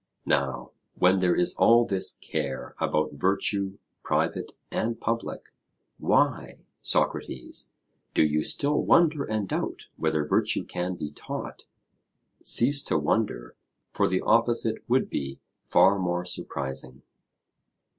Now when there is all this care about virtue private and public, why, Socrates, do you still wonder and doubt whether virtue can be taught? Cease to wonder, for the opposite would be far more surprising.